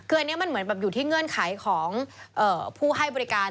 คืออันนี้มันเหมือนแบบอยู่ที่เงื่อนไขของผู้ให้บริการ